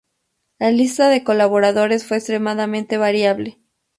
La lista de colaboradores fue extremadamente variable.